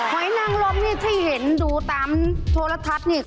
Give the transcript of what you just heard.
หอยนางลมนี่ที่เห็นดูตามโทรทัศน์นี่